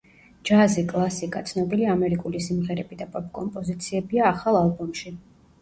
ჯაზი, კლასიკა, ცნობილი ამერიკული სიმღერები და პოპ კომპოზიციებია ახალ ალბომში.